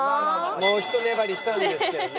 もうひと粘りしたんですけどね。